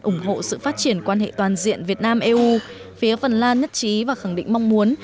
ủng hộ sự phát triển quan hệ toàn diện việt nam eu phía phần lan nhất trí và khẳng định mong muốn